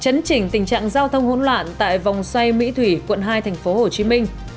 chương trình tình trạng giao thông hỗn loạn tại vòng xoay mỹ thủy quận hai tp hcm